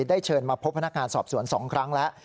ได้เชิญมาพบพนักงานสอบสวน๒ครั้งแล้ว